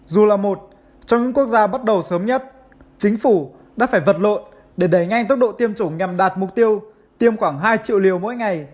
dù là một trong những quốc gia bắt đầu sớm nhất chính phủ đã phải vật lộn để đẩy nhanh tốc độ tiêm chủng nhằm đạt mục tiêu tiêm khoảng hai triệu liều mỗi ngày